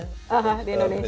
haha di indonesia